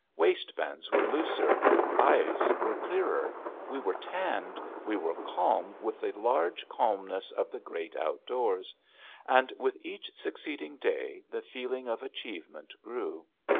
Waistbands were looser, eyes were clearer; we were tanned; we were calm with the large calmness of the great outdoors. And with each succeeding day the feeling of achievement grew.